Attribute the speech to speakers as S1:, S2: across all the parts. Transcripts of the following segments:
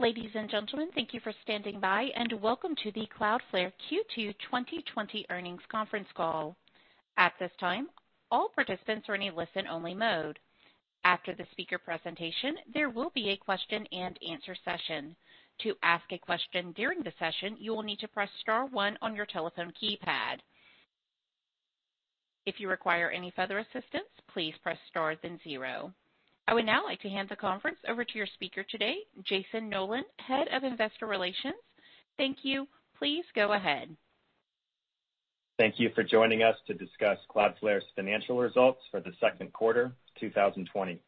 S1: Ladies and gentlemen, thank you for standing by. Welcome to the Cloudflare Q2 2020 Earnings Conference Call. At this time, all participants are in a listen-only mode. After the speaker presentation, there will be a question and answer session. To ask a question during the session, you will need to press star one on your telephone keypad. If you require any further assistance, please press star then zero. I would now like to hand the conference over to your speaker today, Jayson Noland, Head of Investor Relations. Thank you. Please go ahead.
S2: Thank you for joining us to discuss Cloudflare's financial results for the second quarter of 2020.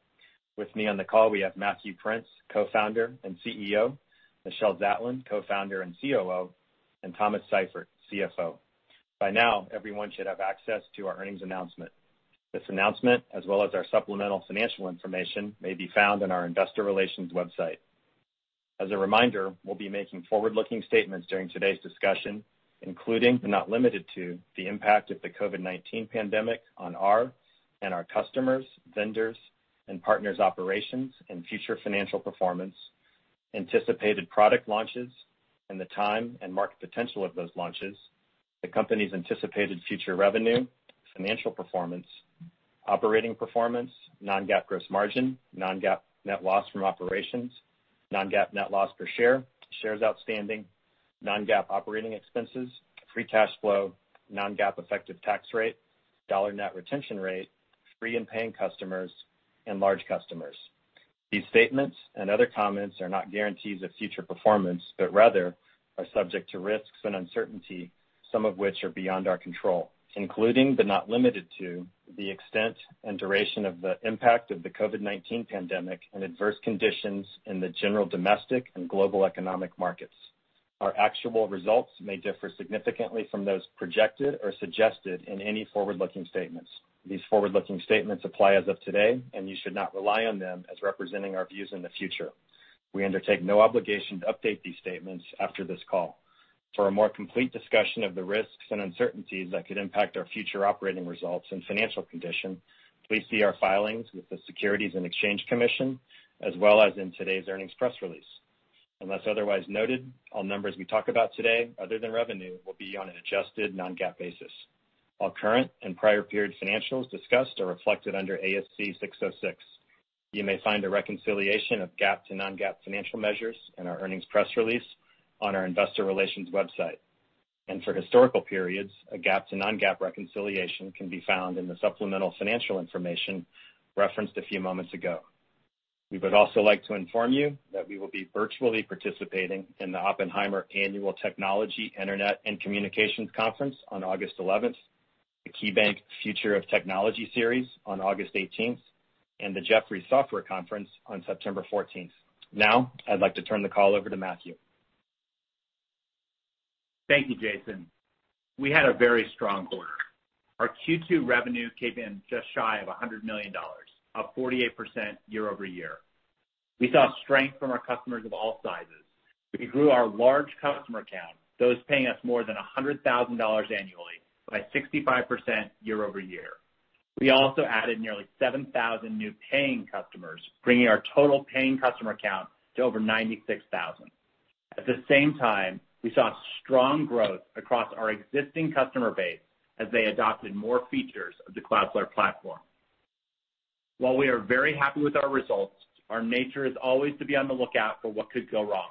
S2: With me on the call we have Matthew Prince, Co-founder and CEO, Michelle Zatlyn, Co-founder and COO, and Thomas Seifert, CFO. By now, everyone should have access to our earnings announcement. This announcement, as well as our supplemental financial information, may be found on our investor relations website. As a reminder, we'll be making forward-looking statements during today's discussion, including, but not limited to, the impact of the COVID-19 pandemic on our and our customers, vendors, and partners' operations and future financial performance, anticipated product launches, and the time and market potential of those launches, the company's anticipated future revenue, financial performance, operating performance, non-GAAP gross margin, non-GAAP net loss from operations, non-GAAP net loss per share, shares outstanding, non-GAAP operating expenses, free cash flow, non-GAAP effective tax rate, dollar net retention rate, free and paying customers, and large customers. These statements and other comments are not guarantees of future performance, but rather are subject to risks and uncertainty, some of which are beyond our control, including, but not limited to, the extent and duration of the impact of the COVID-19 pandemic and adverse conditions in the general domestic and global economic markets. Our actual results may differ significantly from those projected or suggested in any forward-looking statements. These forward-looking statements apply as of today, and you should not rely on them as representing our views in the future. We undertake no obligation to update these statements after this call. For a more complete discussion of the risks and uncertainties that could impact our future operating results and financial condition, please see our filings with the Securities and Exchange Commission, as well as in today's earnings press release. Unless otherwise noted, all numbers we talk about today, other than revenue, will be on an adjusted non-GAAP basis. All current and prior period financials discussed are reflected under ASC 606. You may find a reconciliation of GAAP to non-GAAP financial measures in our earnings press release on our investor relations website. For historical periods, a GAAP to non-GAAP reconciliation can be found in the supplemental financial information referenced a few moments ago. We would also like to inform you that we will be virtually participating in the Oppenheimer Annual Technology, Internet, and Communications Conference on August 11th, the KeyBanc Future of Technology series on August 18th, and the Jefferies Software Conference on September 14th. I'd like to turn the call over to Matthew.
S3: Thank you, Jayson. We had a very strong quarter. Our Q2 revenue came in just shy of $100 million, up 48% year-over-year. We saw strength from our customers of all sizes. We grew our large customer count, those paying us more than $100,000 annually, by 65% year-over-year. We also added nearly 7,000 new paying customers, bringing our total paying customer count to over 96,000. At the same time, we saw strong growth across our existing customer base as they adopted more features of the Cloudflare platform. While we are very happy with our results, our nature is always to be on the lookout for what could go wrong.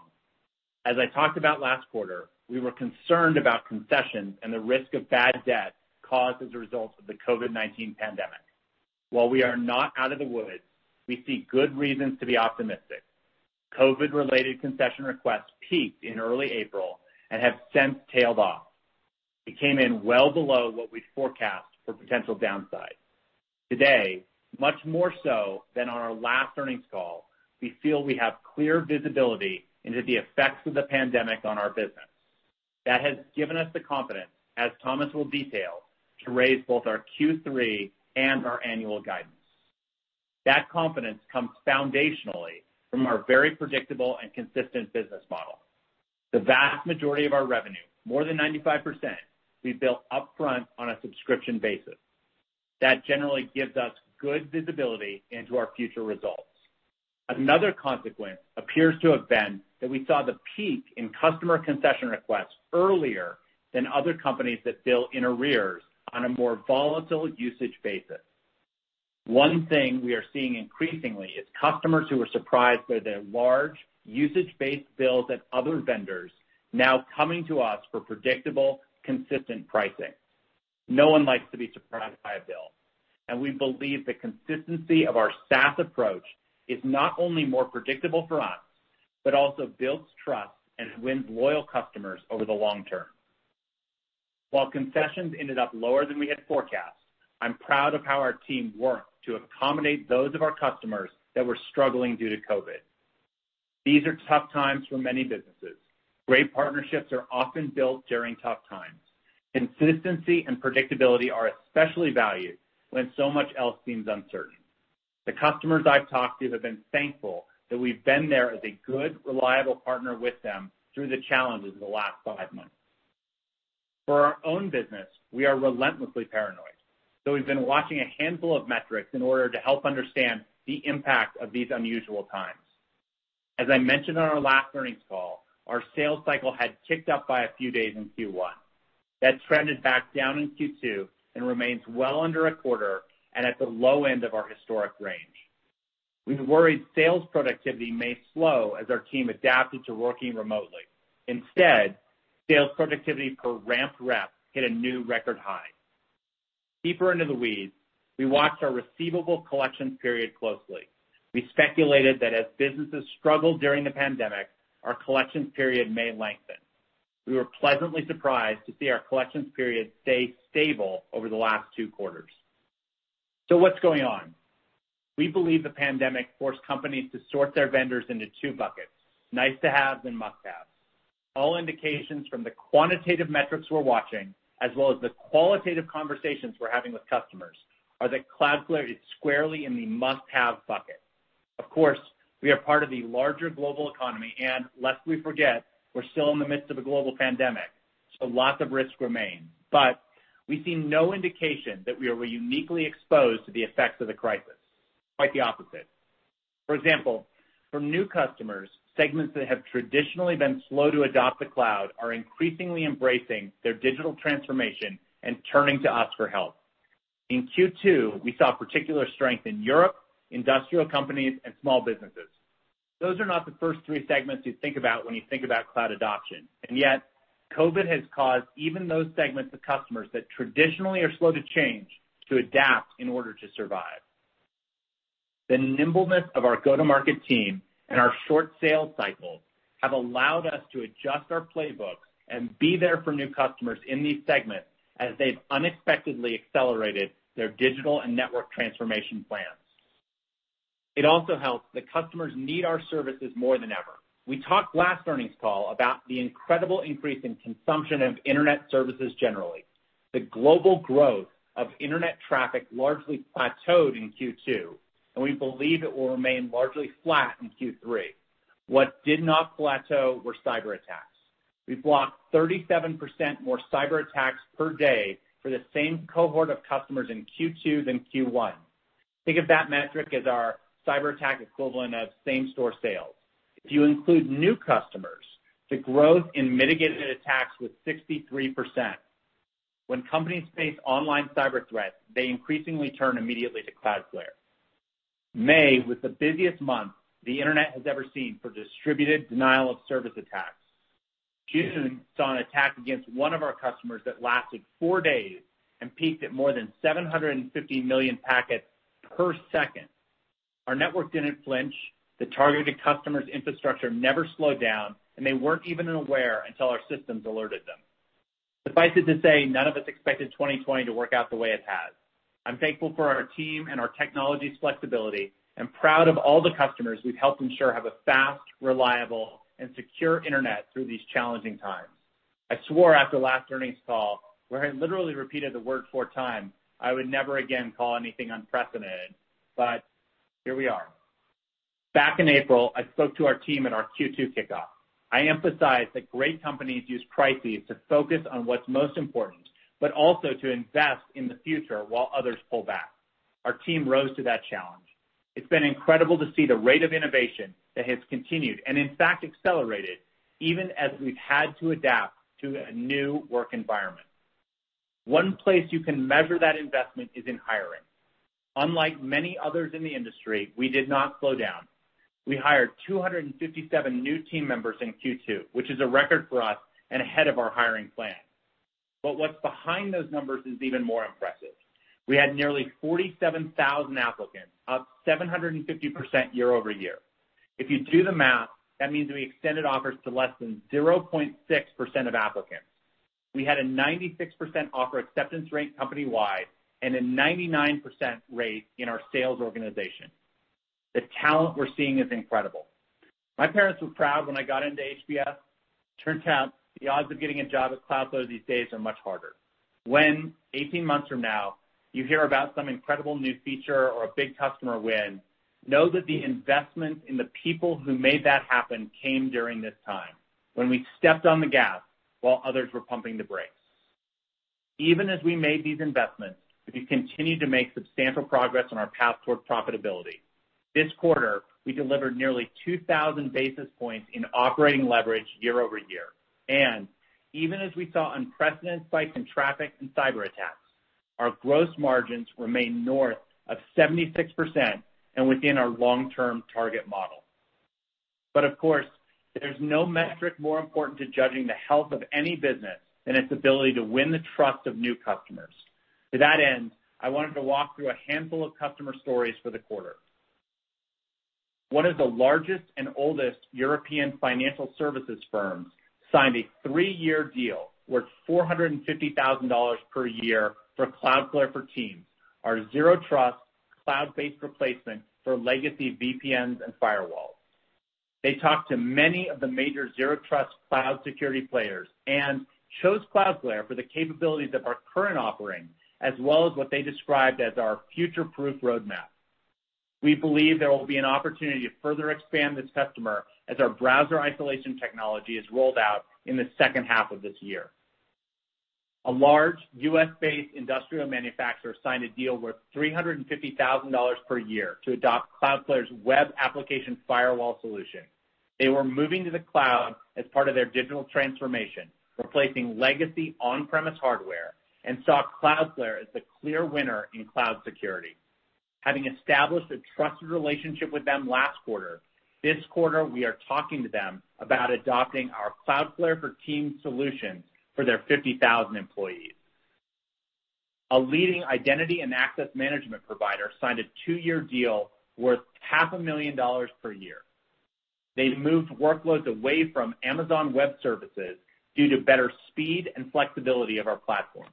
S3: As I talked about last quarter, we were concerned about concessions and the risk of bad debt caused as a result of the COVID-19 pandemic. While we are not out of the woods, we see good reasons to be optimistic. COVID-related concession requests peaked in early April and have since tailed off. It came in well below what we'd forecast for potential downside. Today, much more so than on our last earnings call, we feel we have clear visibility into the effects of the pandemic on our business. That has given us the confidence, as Thomas will detail, to raise both our Q3 and our annual guidance. That confidence comes foundationally from our very predictable and consistent business model. The vast majority of our revenue, more than 95%, we bill up front on a subscription basis. That generally gives us good visibility into our future results. Another consequence appears to have been that we saw the peak in customer concession requests earlier than other companies that bill in arrears on a more volatile usage basis. One thing we are seeing increasingly is customers who were surprised by their large usage-based bills at other vendors now coming to us for predictable, consistent pricing. No one likes to be surprised by a bill, and we believe the consistency of our SaaS approach is not only more predictable for us, but also builds trust and wins loyal customers over the long term. While concessions ended up lower than we had forecast, I'm proud of how our team worked to accommodate those of our customers that were struggling due to COVID. These are tough times for many businesses. Great partnerships are often built during tough times. Consistency and predictability are especially valued when so much else seems uncertain. The customers I've talked to have been thankful that we've been there as a good, reliable partner with them through the challenges of the last five months. For our own business, we are relentlessly paranoid. We've been watching a handful of metrics in order to help understand the impact of these unusual times. As I mentioned on our last earnings call, our sales cycle had kicked up by a few days in Q1. That trended back down in Q2, and remains well under a quarter, and at the low end of our historic range. We've worried sales productivity may slow as our team adapted to working remotely. Instead, sales productivity per ramped rep hit a new record high. Deeper into the weeds, we watched our receivable collection period closely. We speculated that as businesses struggled during the pandemic, our collection period may lengthen. We were pleasantly surprised to see our collections period stay stable over the last two quarters. What's going on? We believe the pandemic forced companies to sort their vendors into two buckets: nice to have and must-have. All indications from the quantitative metrics we're watching, as well as the qualitative conversations we're having with customers, are that Cloudflare is squarely in the must-have bucket. Of course, we are part of the larger global economy, and lest we forget, we're still in the midst of a global pandemic, lots of risks remain. We see no indication that we are uniquely exposed to the effects of the crisis. Quite the opposite. For example, from new customers, segments that have traditionally been slow to adopt the cloud are increasingly embracing their digital transformation and turning to us for help. In Q2, we saw particular strength in Europe, industrial companies, and small businesses. Those are not the first three segments you think about when you think about cloud adoption, and yet, COVID has caused even those segments of customers that traditionally are slow to change to adapt in order to survive. The nimbleness of our go-to-market team and our short sales cycle have allowed us to adjust our playbook and be there for new customers in these segments as they've unexpectedly accelerated their digital and network transformation plans. It also helps that customers need our services more than ever. We talked last earnings call about the incredible increase in consumption of internet services generally. The global growth of internet traffic largely plateaued in Q2, and we believe it will remain largely flat in Q3. What did not plateau were cyber attacks. We've blocked 37% more cyberattacks per day for the same cohort of customers in Q2 than Q1. Think of that metric as our cyberattack equivalent of same-store sales. If you include new customers, the growth in mitigated attacks was 63%. When companies face online cyberthreats, they increasingly turn immediately to Cloudflare. May was the busiest month the internet has ever seen for distributed denial of service attacks. June saw an attack against one of our customers that lasted four days and peaked at more than 750 million packets per second. Our network didn't flinch, the targeted customer's infrastructure never slowed down, and they weren't even aware until our systems alerted them. Suffice it to say, none of us expected 2020 to work out the way it has. I'm thankful for our team and our technology's flexibility, and proud of all the customers we've helped ensure have a fast, reliable, and secure internet through these challenging times. I swore after last earnings call, where I literally repeated the word four times, I would never again call anything unprecedented, but here we are. Back in April, I spoke to our team at our Q2 kickoff. I emphasized that great companies use crises to focus on what's most important, but also to invest in the future while others pull back. Our team rose to that challenge. It's been incredible to see the rate of innovation that has continued, and in fact, accelerated, even as we've had to adapt to a new work environment. One place you can measure that investment is in hiring. Unlike many others in the industry, we did not slow down. We hired 257 new team members in Q2, which is a record for us and ahead of our hiring plan. What's behind those numbers is even more impressive. We had nearly 47,000 applicants, up 750% year-over-year. If you do the math, that means we extended offers to less than 0.6% of applicants. We had a 96% offer acceptance rate company-wide and a 99% rate in our sales organization. The talent we're seeing is incredible. My parents were proud when I got into HBS. Turns out the odds of getting a job at Cloudflare these days are much harder. When, 18 months from now, you hear about some incredible new feature or a big customer win, know that the investment in the people who made that happen came during this time, when we stepped on the gas while others were pumping the brakes. Even as we made these investments, we continued to make substantial progress on our path toward profitability. This quarter, we delivered nearly 2,000 basis points in operating leverage year-over-year. Even as we saw unprecedented spikes in traffic and cyber attacks, our gross margins remain north of 76% and within our long-term target model. Of course, there's no metric more important to judging the health of any business than its ability to win the trust of new customers. To that end, I wanted to walk through a handful of customer stories for the quarter. One of the largest and oldest European financial services firms signed a three-year deal worth $450,000 per year for Cloudflare for Teams, our zero trust cloud-based replacement for legacy VPNs and firewalls. They talked to many of the major zero trust cloud security players and chose Cloudflare for the capabilities of our current offering, as well as what they described as our future-proof roadmap. We believe there will be an opportunity to further expand this customer as our browser isolation technology is rolled out in the second half of this year. A large U.S.-based industrial manufacturer signed a deal worth $350,000 per year to adopt Cloudflare's Web Application Firewall solution. They were moving to the cloud as part of their digital transformation, replacing legacy on-premise hardware, and saw Cloudflare as the clear winner in cloud security. Having established a trusted relationship with them last quarter, this quarter we are talking to them about adopting our Cloudflare for Teams solution for their 50,000 employees. A leading identity and access management provider signed a two-year deal worth half a million dollars per year. They moved workloads away from Amazon Web Services due to better speed and flexibility of our platform.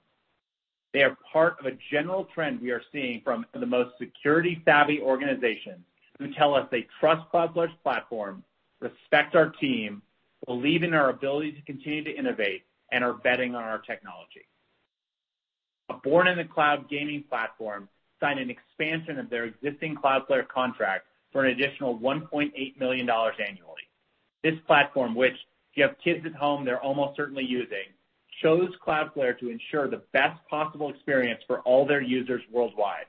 S3: They are part of a general trend we are seeing from the most security-savvy organizations who tell us they trust Cloudflare's platform, respect our team, believe in our ability to continue to innovate, and are betting on our technology. A born-in-the-cloud gaming platform signed an expansion of their existing Cloudflare contract for an additional $1.8 million annually. This platform, which if you have kids at home, they're almost certainly using, chose Cloudflare to ensure the best possible experience for all their users worldwide.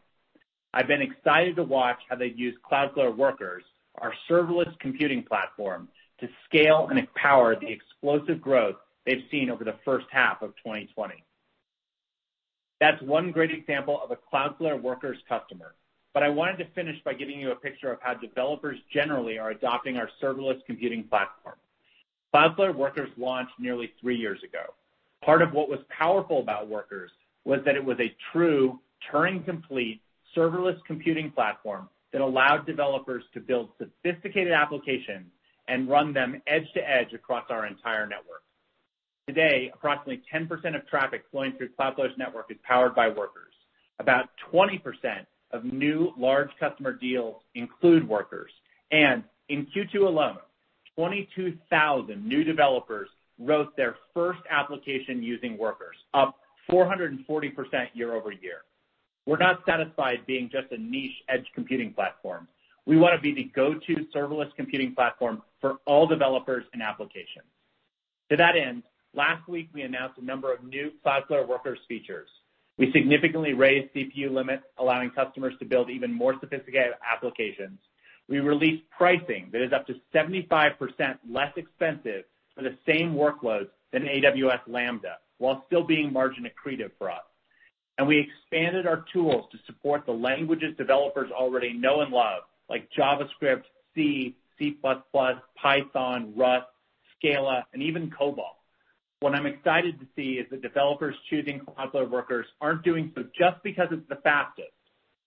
S3: I've been excited to watch how they've used Cloudflare Workers, our serverless computing platform, to scale and empower the explosive growth they've seen over the first half of 2020. That's one great example of a Cloudflare Workers customer, but I wanted to finish by giving you a picture of how developers generally are adopting our serverless computing platform. Cloudflare Workers launched nearly three years ago. Part of what was powerful about Workers was that it was a true Turing-complete serverless computing platform that allowed developers to build sophisticated applications and run them edge to edge across our entire network. Today, approximately 10% of traffic flowing through Cloudflare's network is powered by Workers. About 20% of new large customer deals include Workers. In Q2 alone, 22,000 new developers wrote their first application using Workers, up 440% year-over-year. We're not satisfied being just a niche edge computing platform. We wanna be the go-to serverless computing platform for all developers and applications. To that end, last week we announced a number of new Cloudflare Workers features. We significantly raised CPU limits, allowing customers to build even more sophisticated applications. We released pricing that is up to 75% less expensive for the same workloads than AWS Lambda, while still being margin accretive for us. We expanded our tools to support the languages developers already know and love, like JavaScript, C++, Python, Rust, Scala, and even COBOL. What I'm excited to see is that developers choosing Cloudflare Workers aren't doing so just because it's the fastest,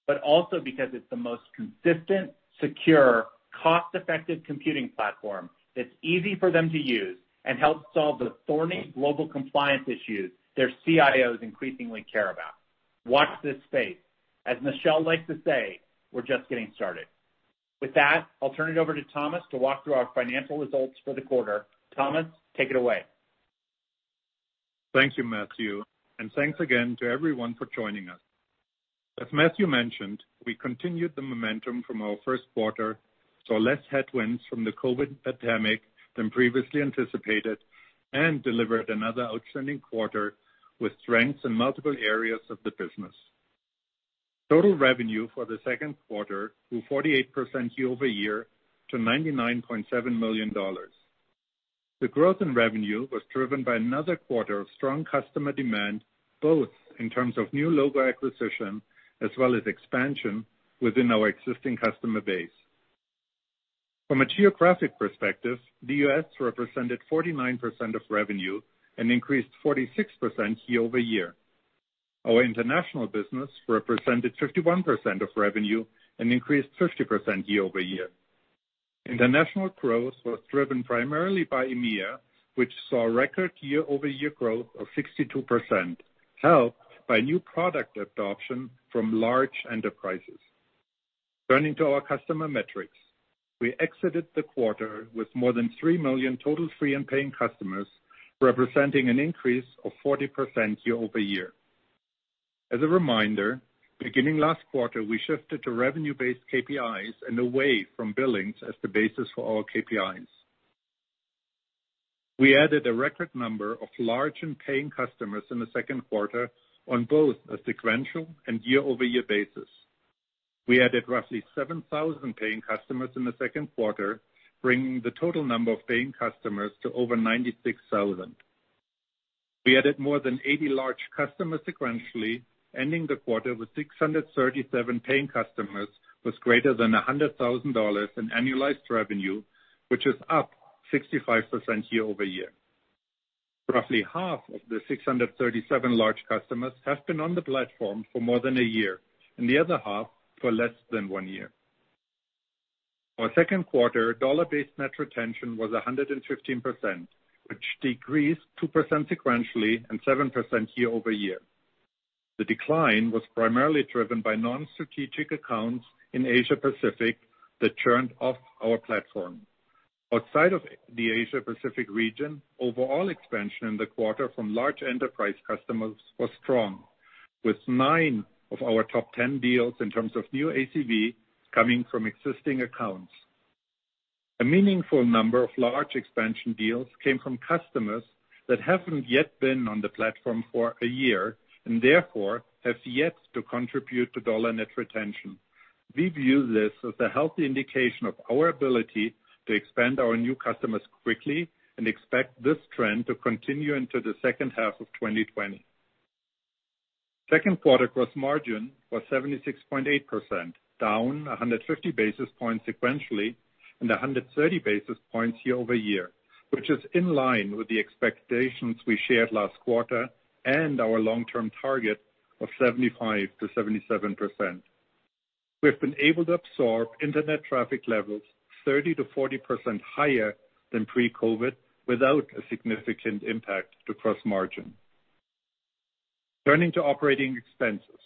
S3: but also because it's the most consistent, secure, cost-effective computing platform that's easy for them to use and helps solve the thorny global compliance issues their CIOs increasingly care about. Watch this space. As Michelle likes to say, we're just getting started. With that, I'll turn it over to Thomas to walk through our financial results for the quarter. Thomas, take it away.
S4: Thank you, Matthew, and thanks again to everyone for joining us. As Matthew mentioned, we continued the momentum from our first quarter, saw less headwinds from the COVID-19 pandemic than previously anticipated, and delivered another outstanding quarter with strengths in multiple areas of the business. Total revenue for the second quarter grew 48% year-over-year to $99.7 million. The growth in revenue was driven by another quarter of strong customer demand, both in terms of new logo acquisition as well as expansion within our existing customer base. From a geographic perspective, the U.S. represented 49% of revenue and increased 46% year-over-year. Our international business represented 51% of revenue and increased 50% year-over-year. International growth was driven primarily by EMEA, which saw record year-over-year growth of 62%, helped by new product adoption from large enterprises. Turning to our customer metrics, we exited the quarter with more than 3 million total free and paying customers, representing an increase of 40% year-over-year. As a reminder, beginning last quarter, we shifted to revenue-based KPIs and away from billings as the basis for all KPIs. We added a record number of large and paying customers in the second quarter on both a sequential and year-over-year basis. We added roughly 7,000 paying customers in the second quarter, bringing the total number of paying customers to over 96,000. We added more than 80 large customers sequentially, ending the quarter with 637 paying customers with greater than $100,000 in annualized revenue, which is up 65% year-over-year. Roughly half of the 637 large customers have been on the platform for more than one year, and the other half for less than one year. Our second quarter dollar-based net retention was 115%, which decreased 2% sequentially and 7% year-over-year. The decline was primarily driven by non-strategic accounts in Asia Pacific that churned off our platform. Outside of the Asia Pacific region, overall expansion in the quarter from large enterprise customers was strong, with nine of our top 10 deals in terms of new ACV coming from existing accounts. A meaningful number of large expansion deals came from customers that haven't yet been on the platform for one year, and therefore, have yet to contribute to dollar net retention. We view this as a healthy indication of our ability to expand our new customers quickly and expect this trend to continue into the second half of 2020. Second quarter gross margin was 76.8%, down 150 basis points sequentially, and 130 basis points year-over-year, which is in line with the expectations we shared last quarter and our long-term target of 75%-77%. We have been able to absorb internet traffic levels 30%-40% higher than pre-COVID-19 without a significant impact to gross margin. Turning to operating expenses.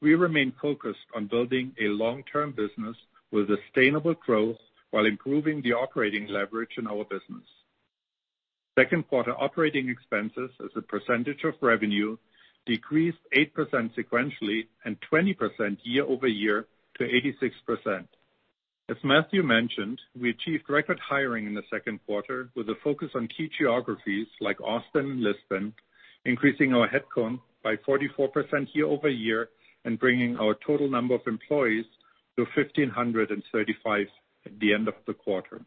S4: We remain focused on building a long-term business with sustainable growth while improving the operating leverage in our business. Second quarter operating expenses as a percentage of revenue decreased 8% sequentially and 20% year-over-year to 86%. As Matthew mentioned, we achieved record hiring in the second quarter with a focus on key geographies like Austin and Lisbon, increasing our headcount by 44% year-over-year and bringing our total number of employees to 1,535 at the end of the quarter.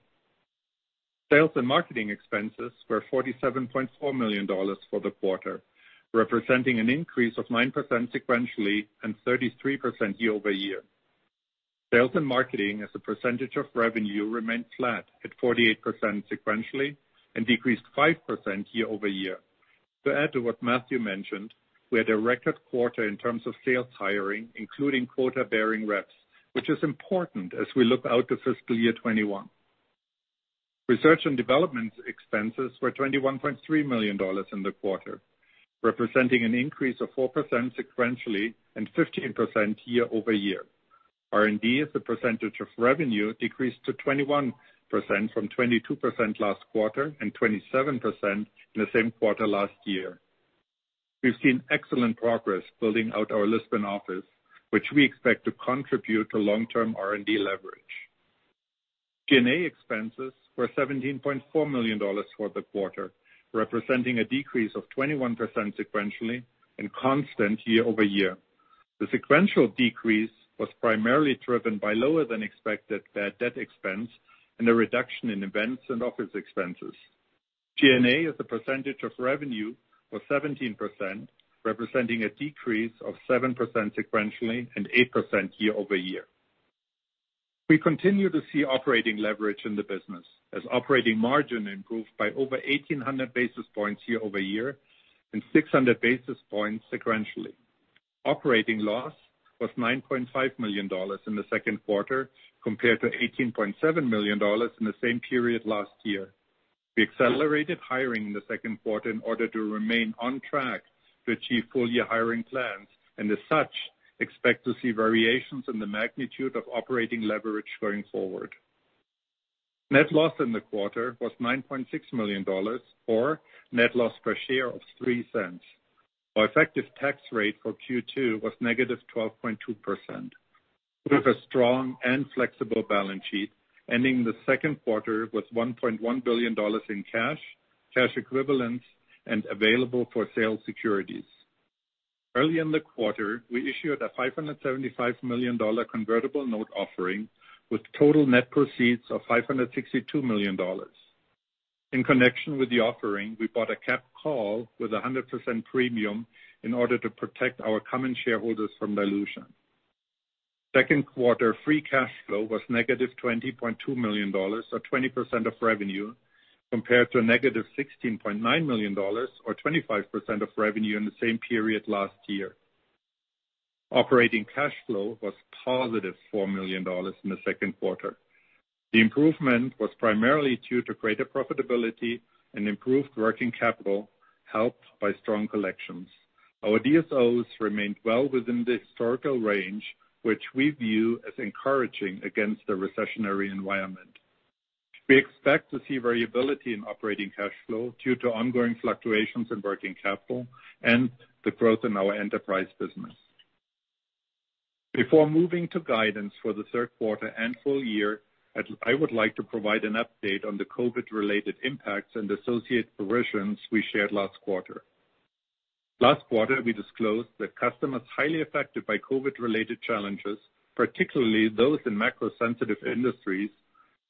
S4: Sales and marketing expenses were $47.4 million for the quarter, representing an increase of 9% sequentially and 33% year-over-year. Sales and marketing as a percentage of revenue remained flat at 48% sequentially and decreased 5% year-over-year. To add to what Matthew mentioned, we had a record quarter in terms of sales hiring, including quota-bearing reps, which is important as we look out to fiscal year 2021. Research and development expenses were $21.3 million in the quarter, representing an increase of 4% sequentially and 15% year-over-year. R&D as a percentage of revenue decreased to 21% from 22% last quarter and 27% in the same quarter last year. We've seen excellent progress building out our Lisbon office, which we expect to contribute to long-term R&D leverage. G&A expenses were $17.4 million for the quarter, representing a decrease of 21% sequentially and constant year-over-year. The sequential decrease was primarily driven by lower than expected bad debt expense and a reduction in events and office expenses. G&A as a percentage of revenue was 17%, representing a decrease of 7% sequentially and 8% year-over-year. We continue to see operating leverage in the business as operating margin improved by over 1,800 basis points year-over-year and 600 basis points sequentially. Operating loss was $9.5 million in the second quarter compared to $18.7 million in the same period last year. We accelerated hiring in the second quarter in order to remain on track to achieve full year hiring plans, and as such, expect to see variations in the magnitude of operating leverage going forward. Net loss in the quarter was $9.6 million, or net loss per share of $0.03. Our effective tax rate for Q2 was -12.2%. We have a strong and flexible balance sheet, ending the second quarter with $1.1 billion in cash equivalents, and available for sale securities. Early in the quarter, we issued a $575 million convertible note offering with total net proceeds of $562 million. In connection with the offering, we bought a capped call with a 100% premium in order to protect our common shareholders from dilution. Second quarter free cash flow was negative $20.2 million or 20% of revenue, compared to a negative $16.9 million or 25% of revenue in the same period last year. Operating cash flow was positive $4 million in the second quarter. The improvement was primarily due to greater profitability and improved working capital, helped by strong collections. Our DSOs remained well within the historical range, which we view as encouraging against the recessionary environment. We expect to see variability in operating cash flow due to ongoing fluctuations in working capital and the growth in our enterprise business. Before moving to guidance for the third quarter and full year, I would like to provide an update on the COVID-related impacts and associated provisions we shared last quarter. Last quarter, we disclosed that customers highly affected by COVID-related challenges, particularly those in macro-sensitive industries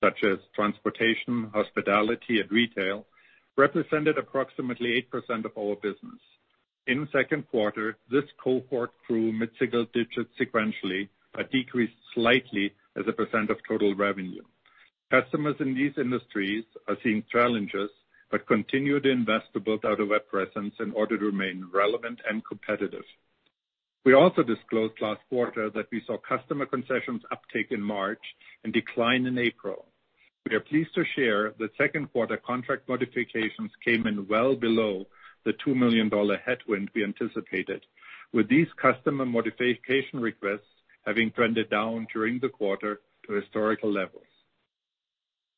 S4: such as transportation, hospitality, and retail, represented approximately 8% of our business. In the second quarter, this cohort grew mid-single digits sequentially, but decreased slightly as a % of total revenue. Customers in these industries are seeing challenges but continue to invest to build out a web presence in order to remain relevant and competitive. We also disclosed last quarter that we saw customer concessions uptake in March and decline in April. We are pleased to share that second quarter contract modifications came in well below the $2 million headwind we anticipated. With these customer modification requests having trended down during the quarter to historical levels.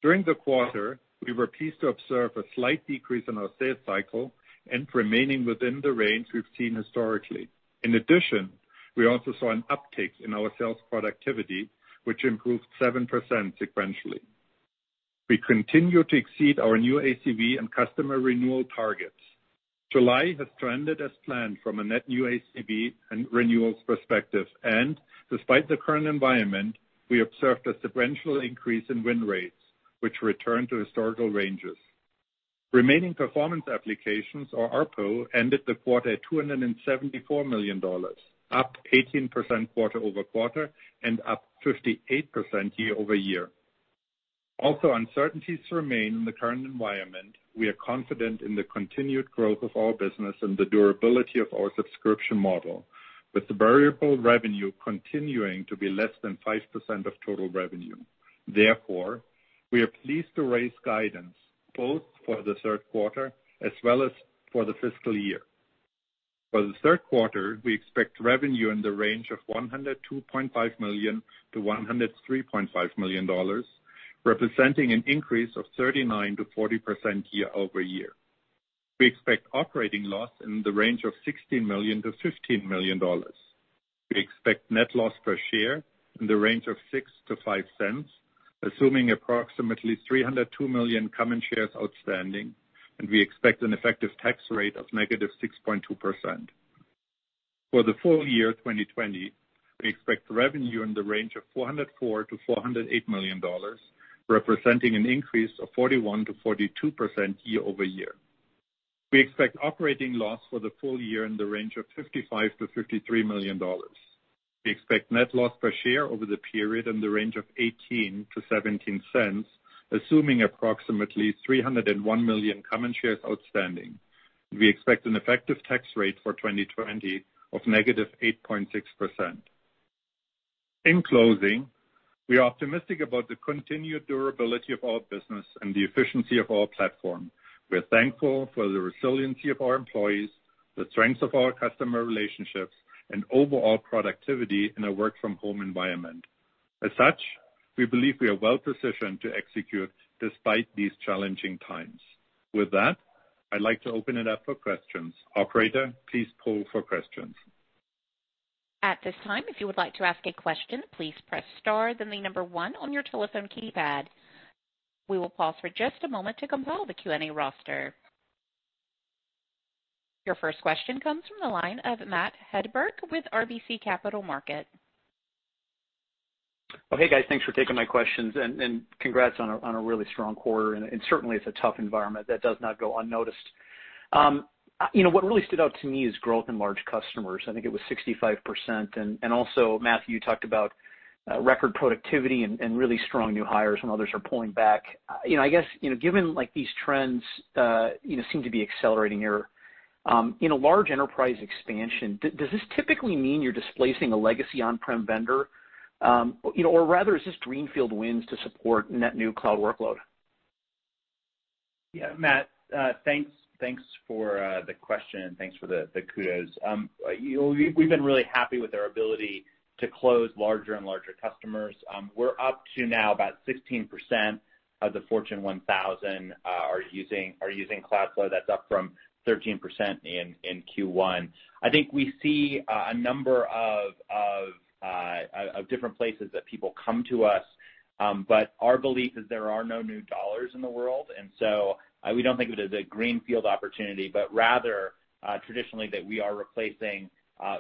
S4: During the quarter, we were pleased to observe a slight decrease in our sales cycle and remaining within the range we've seen historically. We also saw an uptick in our sales productivity, which improved 7% sequentially. We continue to exceed our new ACV and customer renewal targets. July has trended as planned from a net new ACV and renewals perspective. Despite the current environment, we observed a sequential increase in win rates, which returned to historical ranges. Remaining Performance Obligations or RPO ended the quarter at $274 million, up 18% quarter-over-quarter and up 58% year-over-year. Uncertainties remain in the current environment. We are confident in the continued growth of our business and the durability of our subscription model, with the variable revenue continuing to be less than 5% of total revenue. We are pleased to raise guidance both for the third quarter as well as for the fiscal year. For the third quarter, we expect revenue in the range of $102.5 million-$103.5 million, representing an increase of 39%-40% year-over-year. We expect operating loss in the range of $16 million-$15 million. We expect net loss per share in the range of $0.06-$0.05, assuming approximately 302 million common shares outstanding, and we expect an effective tax rate of negative 6.2%. For the full year 2020, we expect revenue in the range of $404 million-$408 million, representing an increase of 41%-42% year-over-year. We expect operating loss for the full year in the range of $55 million-$53 million. We expect net loss per share over the period in the range of $0.18-$0.17, assuming approximately 301 million common shares outstanding. We expect an effective tax rate for 2020 of -8.6%. In closing, we are optimistic about the continued durability of our business and the efficiency of our platform. We're thankful for the resiliency of our employees, the strength of our customer relationships, and overall productivity in a work-from-home environment. As such, we believe we are well-positioned to execute despite these challenging times. With that, I'd like to open it up for questions. Operator, please poll for questions.
S1: We will pause for just a moment to compile the Q&A roster. Your first question comes from the line of Matthew Hedberg with RBC Capital Markets.
S5: Well, hey, guys, thanks for taking my questions and congrats on a really strong quarter, and certainly it's a tough environment that does not go unnoticed. You know, what really stood out to me is growth in large customers. I think it was 65%. Also, Matthew, you talked about record productivity and really strong new hires when others are pulling back. You know, I guess, you know, given, like, these trends, you know, seem to be accelerating here, in a large enterprise expansion, does this typically mean you're displacing a legacy on-prem vendor, you know, or rather is this greenfield wins to support net new cloud workload?
S3: Yeah, Matt, thanks. Thanks for the question and thanks for the kudos. You know, we've been really happy with our ability to close larger and larger customers. We're up to now about 16% of the Fortune 1000 are using Cloudflare. That's up from 13% in Q1. I think we see a number of different places that people come to us. Our belief is there are no new dollars in the world. We don't think of it as a greenfield opportunity, but rather, traditionally that we are replacing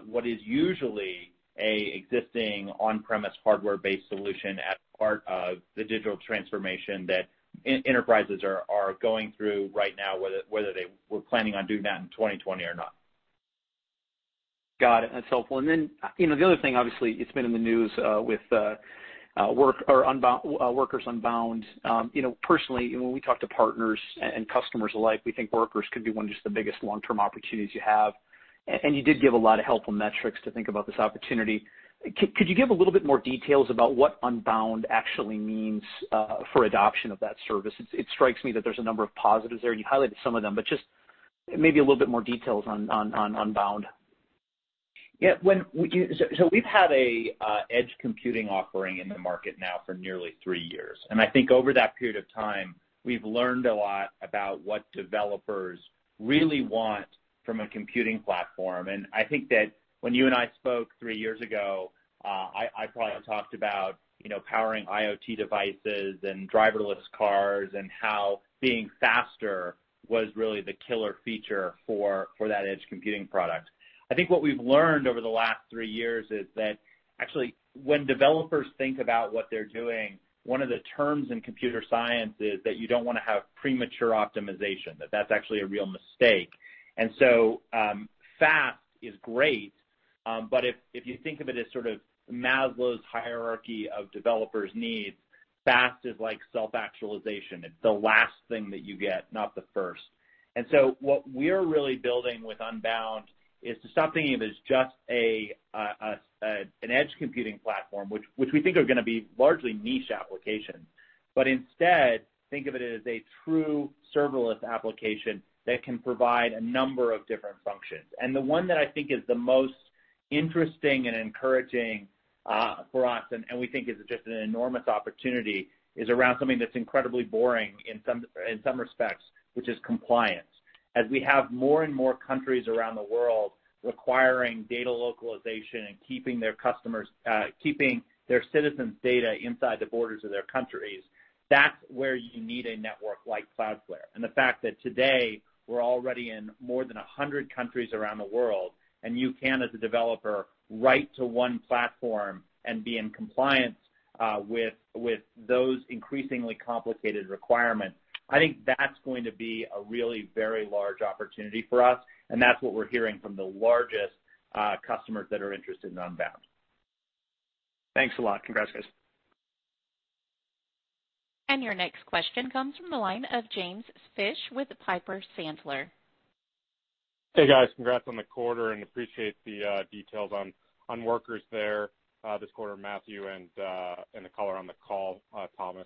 S3: what is usually an existing on-premise hardware-based solution as part of the digital transformation that enterprises are going through right now, whether they were planning on doing that in 2020 or not.
S5: Got it. That's helpful. Then, you know, the other thing, obviously, it's been in the news, with Workers Unbound. You know, personally, when we talk to partners and customers alike, we think Workers could be one of just the biggest long-term opportunities you have. You did give a lot of helpful metrics to think about this opportunity. Could you give a little bit more details about what Unbound actually means for adoption of that service? It strikes me that there's a number of positives there, and you highlighted some of them, but just maybe a little bit more details on Unbound.
S3: Yeah. We've had an edge computing offering in the market now for nearly three years. I think over that period of time, we've learned a lot about what developers really want from a computing platform. I think that when you and I spoke three years ago, I probably talked about, you know, powering IoT devices and driverless cars and how being faster was really the killer feature for that edge computing product. I think what we've learned over the last three years is that actually when developers think about what they're doing, one of the terms in computer science is that you don't wanna have premature optimization, that that's actually a real mistake. Fast is great, but if you think of it as sort of Maslow's hierarchy of developers' needs, fast is like self-actualization. It's the last thing that you get, not the first. What we're really building with Workers Unbound is to stop thinking of it as just an edge computing platform, which we think are gonna be largely niche applications. Instead, think of it as a true serverless application that can provide a number of different functions. The one that I think is the most interesting and encouraging for us, and we think is just an enormous opportunity, is around something that's incredibly boring in some respects, which is compliance. As we have more and more countries around the world requiring data localization and keeping their customers, keeping their citizens' data inside the borders of their countries, that's where you need a network like Cloudflare. The fact that today we're already in more than 100 countries around the world, and you can, as a developer, write to one platform and be in compliance with those increasingly complicated requirements, I think that's going to be a really very large opportunity for us, and that's what we're hearing from the largest customers that are interested in Unbound.
S5: Thanks a lot. Congrats, guys.
S1: Your next question comes from the line of James Fish with Piper Sandler.
S6: Hey, guys. Congrats on the quarter, appreciate the details on Workers there this quarter, Matthew, and the color on the call, Thomas.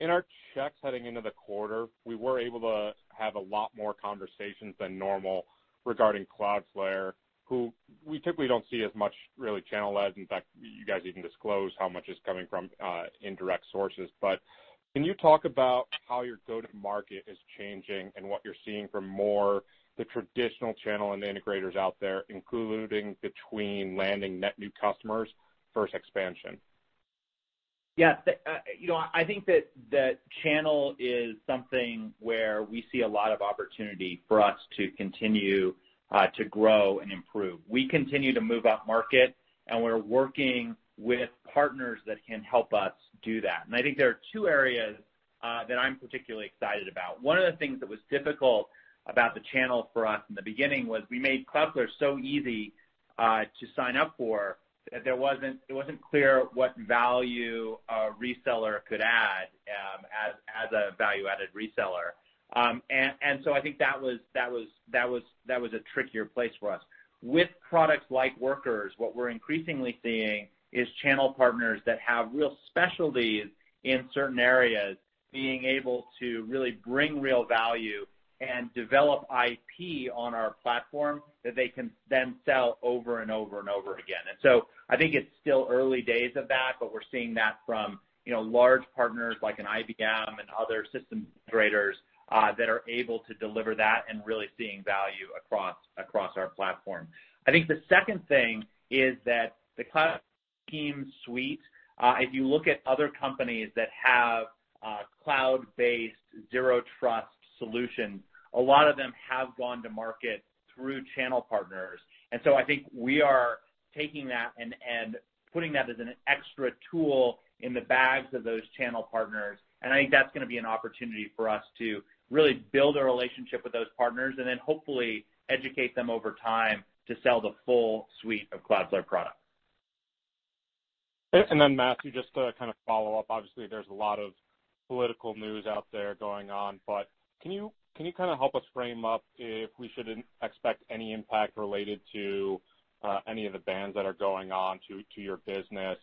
S6: In our checks heading into the quarter, we were able to have a lot more conversations than normal regarding Cloudflare, who we typically don't see as much really channel-led, in fact, you guys even disclose how much is coming from indirect sources. Can you talk about how your go-to-market is changing and what you're seeing from more the traditional channel and the integrators out there, including between landing net new customers versus expansion?
S3: Yes. You know, I think that the channel is something where we see a lot of opportunity for us to continue to grow and improve. We continue to move upmarket, and we're working with partners that can help us do that. I think there are two areas that I'm particularly excited about. One of the things that was difficult about the channel for us in the beginning was we made Cloudflare so easy to sign up for, that there wasn't, it wasn't clear what value a reseller could add as a value-added reseller. I think that was a trickier place for us. With products like Workers, what we're increasingly seeing is channel partners that have real specialties in certain areas being able to really bring real value and develop IP on our platform that they can then sell over and over and over again. I think it's still early days of that, but we're seeing that from, you know, large partners like an IBM and other system integrators that are able to deliver that and really seeing value across our platform. I think the second thing is that the Cloud suite, if you look at other companies that have a cloud-based zero trust solution, a lot of them have gone to market through channel partners. I think we are taking that and putting that as an extra tool in the bags of those channel partners. I think that's going to be an opportunity for us to really build a relationship with those partners and then hopefully educate them over time to sell the full suite of Cloudflare products.
S6: Matthew, just to kind of follow up, obviously there's a lot of political news out there going on, can you kind of help us frame up if we should expect any impact related to any of the bans that are going on to your business?